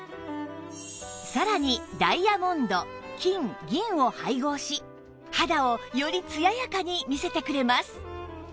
さらにダイヤモンド金銀を配合し肌をよりツヤやかに見せてくれます